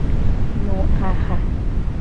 Nu aha.